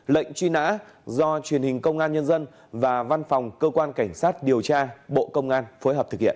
lệnh truy nã do truyền hình công an nhân dân và văn phòng cơ quan cảnh sát điều tra bộ công an phối hợp thực hiện